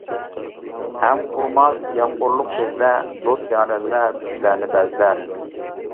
ھەم قۇرۇماس يامغۇرلۇق كۆزلەر، دوست يارەنلەر بىزلەرنى بەزلەر.